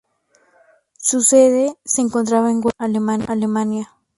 Su sede se encontraba en Weimar, Alemania.